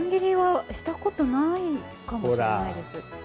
したことはないかもしれないです。